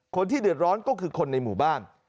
คนที่เดือดร้อนก็คือคนในหมู่บ้าน